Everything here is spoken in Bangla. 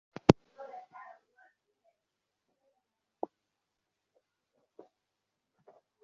নামটা শুনলেই মনে আসে র্যাম্বো সিনেমার সেই দুর্দান্ত আমেরিকান কমান্ডোর কথা।